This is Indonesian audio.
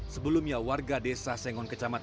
sebelumnya warga desa sengon kecamatan